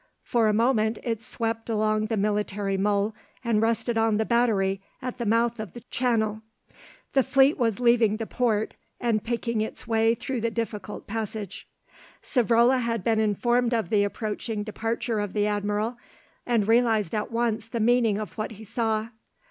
For a moment it swept along the military mole and rested on the battery at the mouth of the channel. The fleet was leaving the port, and picking its way through the difficult passage. Savrola had been informed of the approaching departure of the admiral, and realised at once the meaning of what he saw.